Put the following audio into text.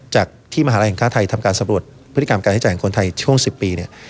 จากที่มหาลัยแห่งค่าไทยทำการสำรวจพฤติกรรมการใช้จ่ายของคนไทยช่วง๑๐ปีเนี่ย